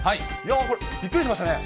これ、びっくりしましたね。